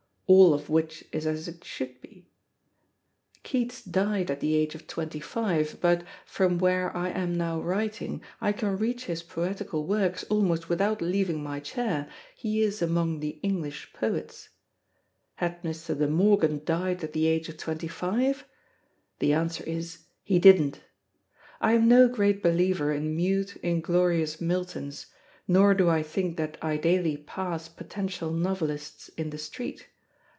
All of which is as it should be. Keats died at the age of twenty five, but, from where I am now writing, I can reach his Poetical Works almost without leaving my chair; he is among the English Poets. Had Mr. De Morgan died at the age of twenty five? The answer is, he didn't. I am no great believer in mute, inglorious Miltons, nor do I think that I daily pass potential novelists in the street.